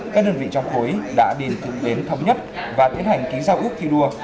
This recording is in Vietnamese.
các đơn vị trong khối đã đi đến thống nhất và tiến hành ký giáo ước thi đua